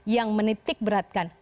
yang menitik beratkan